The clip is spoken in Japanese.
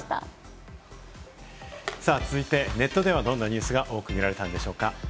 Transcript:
続いて、ネットではどんなニュースが多く見られたんでしょうか？